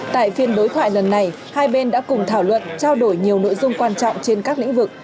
tại phiên đối thoại lần này hai bên đã cùng thảo luận trao đổi nhiều nội dung quan trọng trên các lĩnh vực